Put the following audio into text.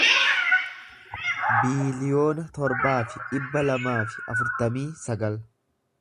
biiliyoona torbaa fi dhibba lamaa fi afurtamii sagal